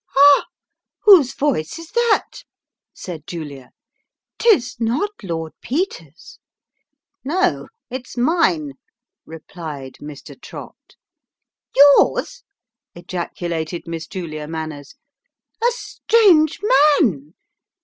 " Ah ! Whose voice is that ?" said Julia ;" 'tis not Lord Peter's." " No, it's mine," replied Mr. Trott. " Yours !" ejaculated Miss Julia Manners ;" a strange man